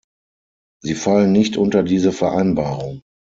Sie fallen nicht unter diese Vereinbarung.